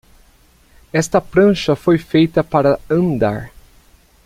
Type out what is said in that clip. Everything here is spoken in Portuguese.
Esta prancha foi feita para andar.